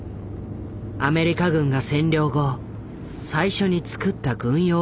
アメリカ軍が占領後最初に造った軍用道路だ。